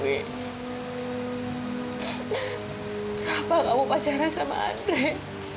kenapa kamu pacaran sama andrei